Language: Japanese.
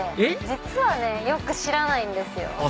実はよく知らないんですよ。